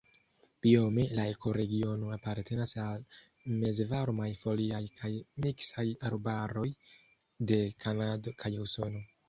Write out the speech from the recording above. Biome la ekoregiono apartenas al mezvarmaj foliaj kaj miksaj arbaroj de Kanado kaj Usono.